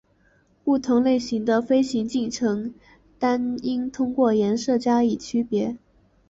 不同类型的飞行进程单应通过颜色加以区别。